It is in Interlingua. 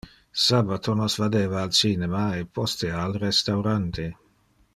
Sabbato nos vadeva al cinema e postea al restaurante.